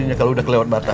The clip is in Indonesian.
ini lemuk hari thanaa